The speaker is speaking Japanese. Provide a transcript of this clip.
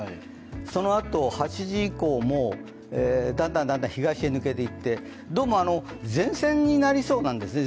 そのあと８時以降もだんだん東へ抜けていってどうも前線になりそうなんですね。